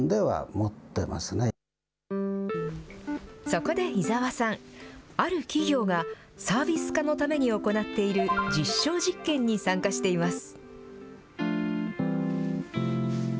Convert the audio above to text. そこで伊沢さん、ある企業がサービス化のために行っている実証実験に参加しています。